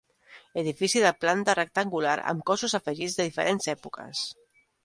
Edifici de planta rectangular amb cossos afegits de diferents èpoques.